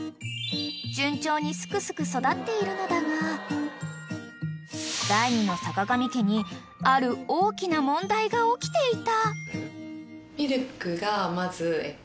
［順調にすくすく育っているのだが第２のさかがみ家にある大きな問題が起きていた］